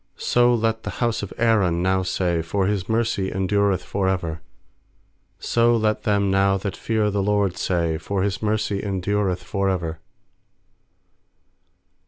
8So let the bouse of Aaron now say, For His mercy endureth for ever. 4So let them now that fear the* LORD say, For His mercy endureth for ever.